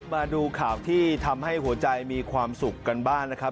มาดูข่าวที่ทำให้หัวใจมีความสุขกันบ้างนะครับ